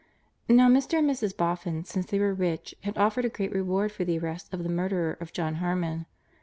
Now Mr. and Mrs. Boffin, since they were rich, had offered a great reward for the arrest of the murderer of John Harmon.